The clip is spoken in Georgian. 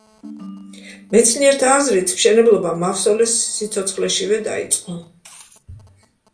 მეცნიერთა აზრით, მშენებლობა მავსოლეს სიცოცხლეშივე დაიწყო.